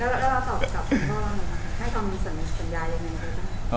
แล้วเราตอบกับบ้องดูแลให้บ้องสำเนินสัญญาอย่างนี้ดูแล